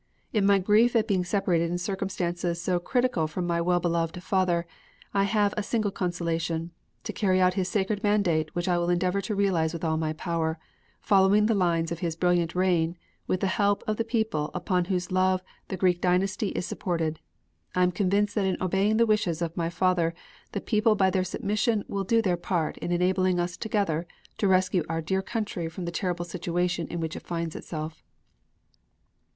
In my grief at being separated in circumstances so critical from my well beloved father I have a single consolation: to carry out his sacred mandate which I will endeavor to realize with all my power, following the lines of his brilliant reign, with the help of the people upon whose love the Greek dynasty is supported. I am convinced that in obeying the wishes of my father the people by their submission will do their part in enabling us together to rescue our dear country from the terrible situation in which it finds itself.